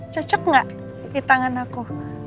cocok nggak di tangan aku